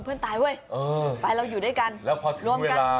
ไม่ไม่ไม่ไม่ไม่ไม่ไม่ไม่ไม่ไม่ไม่ไม่ไม่ไม่ไม่ไม่ไม่ไม่ไม่